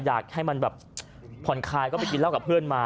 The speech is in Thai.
อยากให้มันแบบผ่อนคลายก็ไปกินเหล้ากับเพื่อนมา